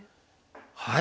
はい。